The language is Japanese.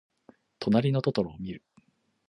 となりのトトロをみる。